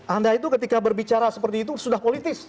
anda itu ketika berbicara seperti itu sudah politis